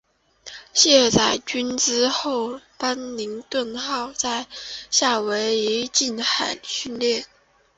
卸载军资后班宁顿号在夏威夷近海训练。